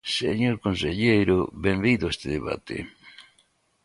Señor conselleiro, benvido a este debate.